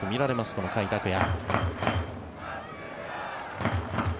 この甲斐拓也。